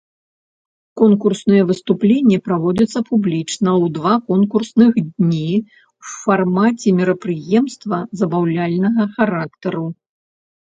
Конкурсныя выступленні праводзяцца публічна ў два конкурсныя дні ў фармаце мерапрыемства забаўляльнага характару.